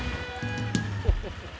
masih ada yang mau berbicara